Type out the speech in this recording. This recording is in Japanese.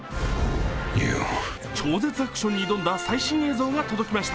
超絶アクションに挑んだ最新映像が届きました。